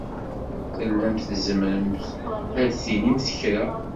Tellamt tzemremt ad d-tinimt kra.